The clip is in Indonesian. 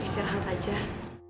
ya gue cuma agak agak